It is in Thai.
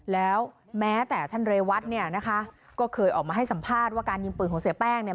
แล้วแม้แต่ท่านเรวัตเนี่ยนะคะก็เคยออกมาให้สัมภาษณ์ว่าการยิงปืนของเสียแป้งเนี่ย